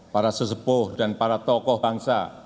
para sesepuh dan para tokoh bangsa